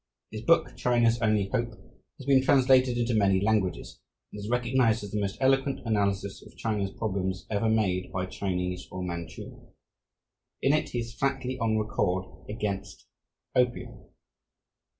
His book, "China's Only Hope," has been translated into many languages, and is recognized as the most eloquent analysis of China's problems ever made by Chinese or Manchu. In it he is flatly on record against opium.